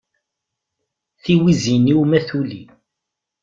tiwizi-inu ma tuli.